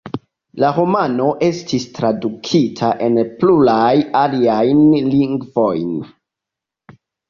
La romano estis tradukita en plurajn aliajn lingvojn.